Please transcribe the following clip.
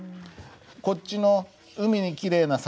こっちの「海にきれいな魚」